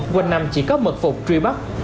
quân nằm chỉ có mật phục truy bắt